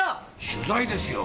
取材ですよ。